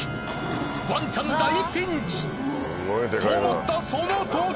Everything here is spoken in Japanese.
ワンちゃん大ピンチ！と思ったそのとき！